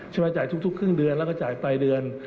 จ่ายทุกครึ่งเดือนแล้วก็จ่ายปลายเดือน